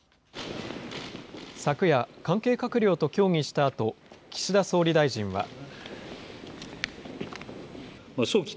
昨夜、関係閣僚と協議したあと、岸田総理大臣は。